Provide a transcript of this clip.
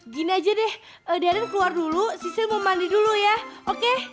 gini aja deh darren keluar dulu si sil mau mandi dulu ya oke